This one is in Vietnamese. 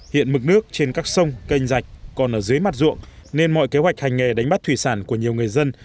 hiện mực nước trên các sông canh rạch còn ở dưới mặt ruộng nên mọi kế hoạch hành nghề đánh bắt thủy sản của nhiều người dân